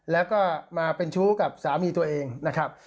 แล้วก็มาเป็นชู้กับสามีตัวเองนะครับ